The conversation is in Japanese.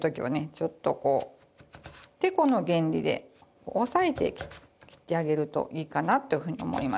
ちょっとこうテコの原理で押さえて切ってあげるといいかなというふうに思いますね。